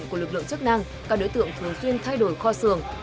các đối tượng thường xuyên thay đổi kho sường